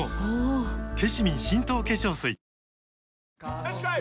よしこい！